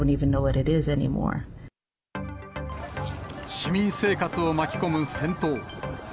市民生活を巻き込む戦闘。